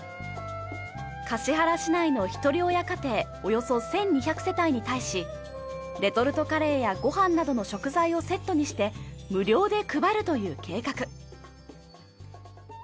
橿原市内のひとり親家庭およそ１２００世帯に対しレトルトカレーやごはんなどの食材をセットにして無料で配るという計画。